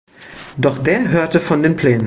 Doch der hörte von den Plänen.